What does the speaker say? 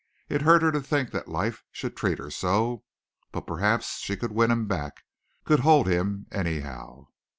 It hurt her to think that life should treat her so. But perhaps she could win him back could hold him anyhow.